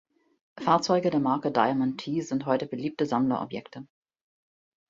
Fahrzeuge der Marke "Diamond T" sind heute beliebte Sammlerobjekte.